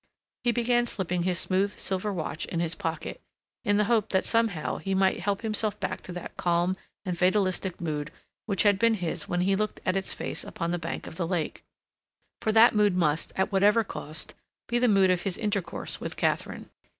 He began slipping his smooth, silver watch in his pocket, in the hope that somehow he might help himself back to that calm and fatalistic mood which had been his when he looked at its face upon the bank of the lake, for that mood must, at whatever cost, be the mood of his intercourse with Katharine.